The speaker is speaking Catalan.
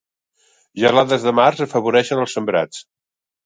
Gelades de març afavoreixen els sembrats.